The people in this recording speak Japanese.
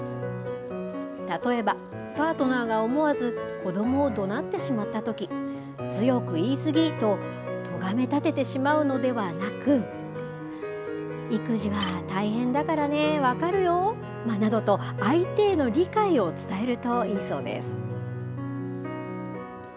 例えば、パートナーが思わず子どもをどなってしまったとき、強く言い過ぎと、とがめたててしまうのではなく、育児は大変だからね、分かるよなどと、相手への理解を伝えるといいそうです。